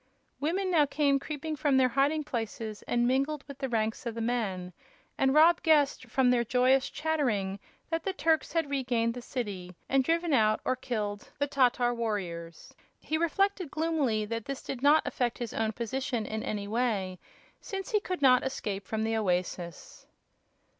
Women now came creeping from their hiding places and mingled with the ranks of the men, and Rob guessed, from their joyous chattering, that the Turks had regained the city and driven out or killed the Tatar warriors. He reflected, gloomily, that this did not affect his own position in any way, since he could not escape from the oasis.